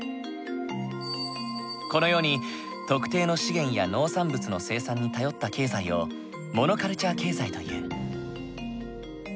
このように特定の資源や農産物の生産に頼った経済をモノカルチャー経済という。